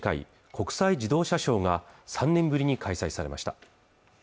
国際自動車ショーが３年ぶりに開催されました